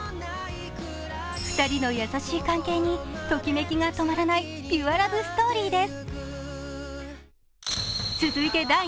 ２人の優しい関係にときめきが止まらないピュアラブストーリーです。